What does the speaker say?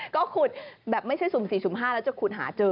ก็ขุดแบบไม่ใช่ศูมิ๔ศูมิ๕แล้วจะขุดหาเจอ